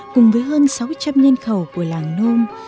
cùng với hơn sáu trăm linh nhân khẩu của làng nôm